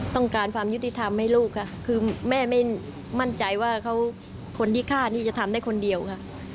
ความยุติธรรมให้ลูกค่ะคือแม่ไม่มั่นใจว่าเขาคนที่ฆ่านี่จะทำได้คนเดียวค่ะ